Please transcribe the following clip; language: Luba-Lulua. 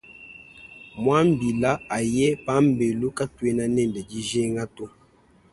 Muambila aye pambelu katuena nende dijinga to.